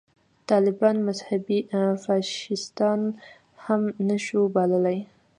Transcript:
طالبان مذهبي فاشیستان هم نه شو بللای.